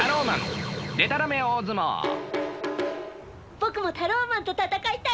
☎僕もタローマンと戦いたいよ。